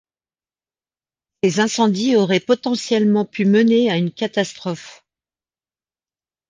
Ces incendies auraient potentiellement pu mener à une catastrophe.